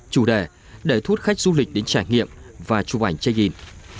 chủ đề để thu hút khách du lịch đến trải nghiệm và chụp ảnh check in